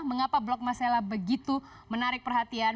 mengapa blok masela begitu menarik perhatian